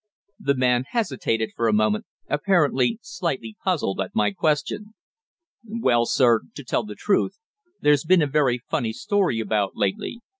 The man hesitated for a moment, apparently slightly puzzled at my question. "Well, sir, to tell the truth, there's been a very funny story about lately.